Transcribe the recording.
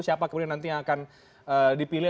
siapa kemudian nanti yang akan dipilih